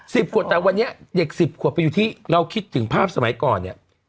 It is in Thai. สิบขวบแต่วันนี้เด็กสิบขวบไปอยู่ที่เราคิดถึงภาพสมัยก่อนเนี่ย